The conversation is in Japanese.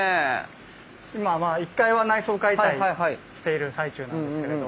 今１階は内装解体している最中なんですけれど。